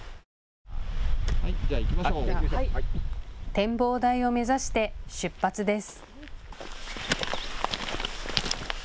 展望台を目指して出発です。